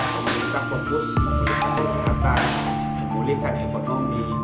pemerintah fokus memulihkan kesehatan memulihkan ekonomi